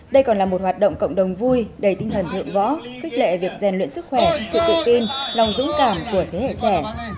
đây còn là một hoạt động cộng đồng vui đầy tinh thần thượng võ khích lệ việc rèn luyện sức khỏe sự tự tin lòng dũng cảm của thế hệ trẻ